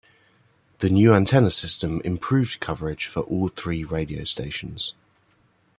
The new antenna system improved coverage for all three radio stations.